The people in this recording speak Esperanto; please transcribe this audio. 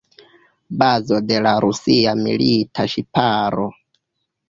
Bazo de la rusia milita ŝiparo.